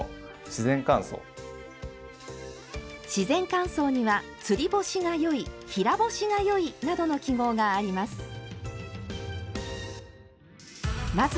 自然乾燥には「つり干しがよい」「平干しがよい」などの記号があります。